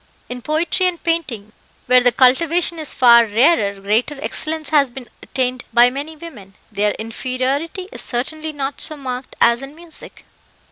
In poetry and painting, where the cultivation is far rarer, greater excellence has been attained by many women. Their inferiority is certainly not so marked as in music."